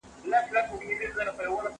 منډه د لوبغاړي له خوا وهل کيږي!!